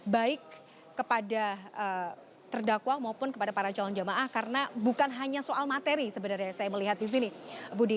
baik kepada terdakwa maupun kepada para calon jamaah karena bukan hanya soal materi sebenarnya saya melihat di sini budi